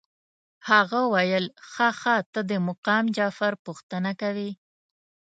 هغه ویل ښه ښه ته د مقام جعفر پوښتنه کوې.